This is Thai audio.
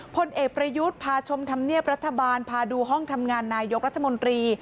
พลเอกประยุทธ์พาชมธรรมเนียบรัฐบาลพาดูห้องทำงานนายกรัฐมนตรี